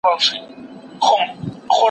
پاک خلک هیڅکله مظلوم مخلوق ته ضرر نه رسوي.